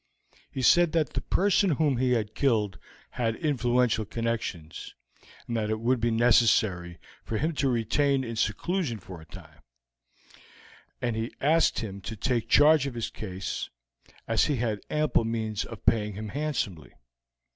He said that the person whom he had killed had influential connections, and that it would be necessary for him to remain in seclusion for a time, and he asked him to take charge of his case, as he had ample means of paying him handsomely.